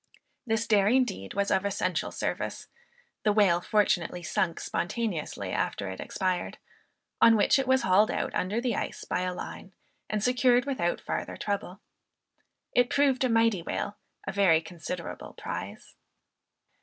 This daring deed was of essential service. The whale fortunately sunk spontaneously after it expired; on which it was hauled out under the ice by the line and secured without farther trouble. It proved a mighty whale; a very considerable prize.